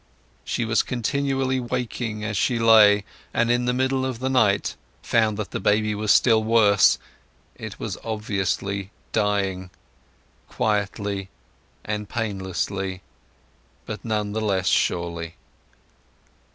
She was continually waking as she lay, and in the middle of the night found that the baby was still worse. It was obviously dying—quietly and painlessly, but none the less surely.